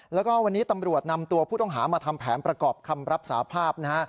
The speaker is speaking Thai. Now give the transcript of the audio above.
แล้วก็วันนี้ตำรวจนำตัวผู้ต้องหามาทำแผนประกอบคำรับสาภาพนะฮะ